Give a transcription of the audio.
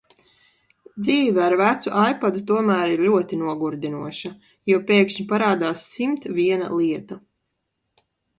Dzīve ar vecu ipadu tomēr ir ļoti nogurdinoša, jo pēkšņi parādās simt viena lieta.